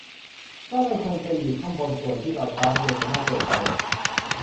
ก็ไม่ควรไปอยู่ข้างบนส่วนที่ลอยฟ้าเป็นจำนวนมากเกินไป